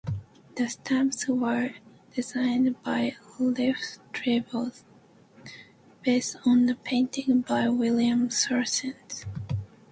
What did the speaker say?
The stamps were designed by Ralph Tibbles, based on a painting by William Southern.